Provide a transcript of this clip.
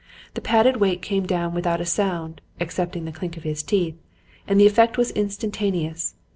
The padded weight came down without a sound excepting the click of his teeth and the effect was instantaneous.